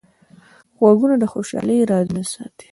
غوږونه د خوشحالۍ رازونه ساتي